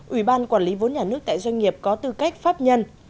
ủy ban quản lý vốn nhà nước tại doanh nghiệp có tư cách pháp nhân